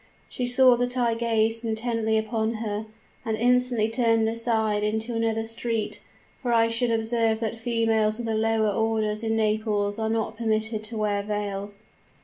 She saw that I gazed intently upon her, and instantly turned aside into another street; for I should observe that females of the lower orders in Naples are not permitted to wear veils.